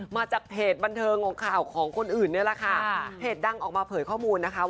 มาจากเพจบันเทิงของข่าวของคนอื่นนี่แหละค่ะเพจดังออกมาเผยข้อมูลนะคะ